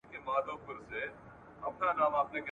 خره لېوه ته ویل ځه کار دي تمام دی `